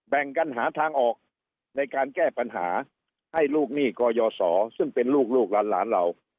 แบ่งกันหาทางออกในการแก้ปัญหาให้ลูกหนี้กยศซึ่งเป็นลูกหลานเรา